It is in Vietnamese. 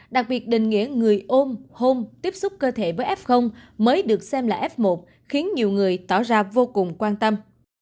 đặc biệt định nghĩa người ôm hôn tiếp xúc cơ thể với f mới được xem là f một khiến nhiều người tỏ ra vô cùng quan tâm